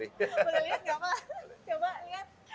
boleh lihat enggak pak